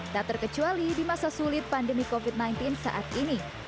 tak terkecuali di masa sulit pandemi covid sembilan belas saat ini